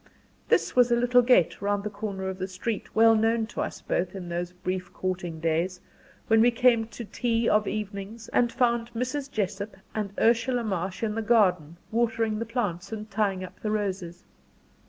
This was a little gate round the corner of the street, well known to us both in those brief "courting days," when we came to tea of evenings, and found Mrs. Jessop and Ursula March in the garden watering the plants and tying up the roses.